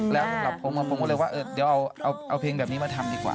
แล้วผมก็เลยว่าเอาเพลงแบบนี้มาทำดีกว่า